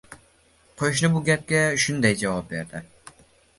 Qoʻshni bu gapga shunday javob berdi